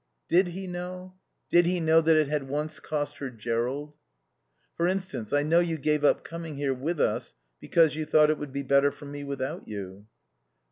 Did he know? Did he know that it had once cost her Jerrold? "... For instance, I know you gave up coming here with us because you thought it would be better for me without you."